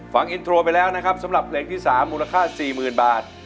ฟังอินโทรไปแล้วนะครับสำหรับเพลงที่๓มูลค่า๔๐๐๐บาท